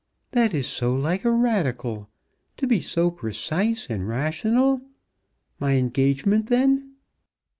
"That is so like a Radical, to be so precise and rational. My engagement then?"